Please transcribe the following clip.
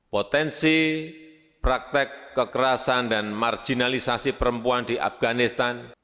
potensi praktek kekerasan dan marginalisasi perempuan di afganistan